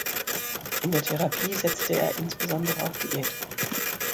In der Therapie setzte er insbesondere auf Diät.